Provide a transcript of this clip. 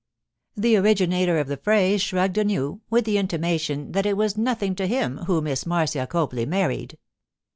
The originator of the phrase shrugged anew, with the intimation that it was nothing to him who Miss Marcia Copley married.